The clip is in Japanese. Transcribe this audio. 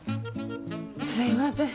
すいません